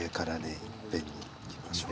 いっぺんにいきましょう。